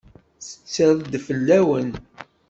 Tetter-d fell-awen.